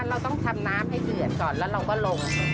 เราต้องทำน้ำให้เดือดก่อนแล้วเราก็ลง